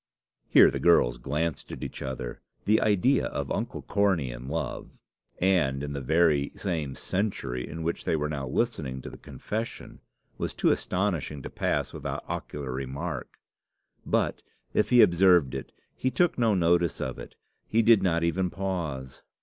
Here the girls glanced at each other. The idea of Uncle Cornie in love, and in the very same century in which they were now listening to the confession, was too astonishing to pass without ocular remark; but, if he observed it, he took no notice of it; he did not even pause.